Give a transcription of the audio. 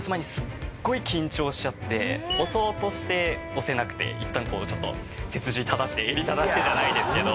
押そうとして押せなくていったんちょっと背筋正して襟正してじゃないですけど。